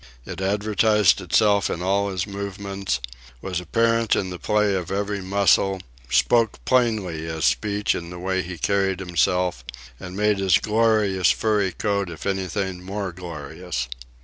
It advertised itself in all his movements, was apparent in the play of every muscle, spoke plainly as speech in the way he carried himself, and made his glorious furry coat if anything more glorious.